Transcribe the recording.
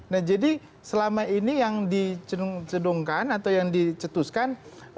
nah jadi selama ini yang dicedungkan